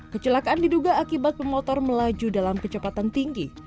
kecelakaan diduga akibat pemotor melaju dalam kecepatan tinggi